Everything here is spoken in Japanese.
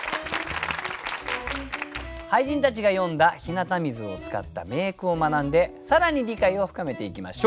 俳人たちが詠んだ「日向水」を使った名句を学んで更に理解を深めていきましょう。